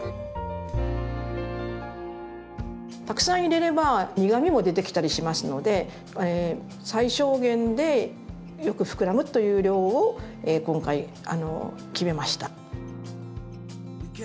たくさん入れれば苦みも出てきたりしますので最小限でよく膨らむという量を今回決めました。